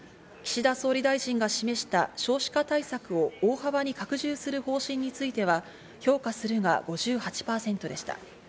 岸田総理大臣が示した少子化対策を大幅に拡充する方針については、評価するが５８％でした。